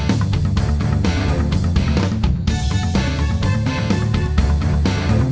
untuk selanjutnya mau kan